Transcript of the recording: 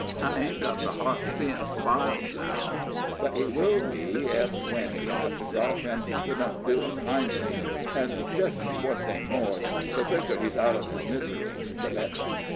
I ain't got the heart to see him spiled now; but he will be ef, when yer hev to drop him, yer don't do it kindly. An' just one thing more the quicker he's out of his misery the better."